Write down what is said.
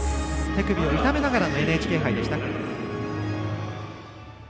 手首を痛めながらのＮＨＫ杯でした。